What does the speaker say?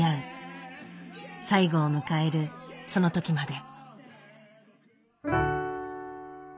最後を迎えるその時まで。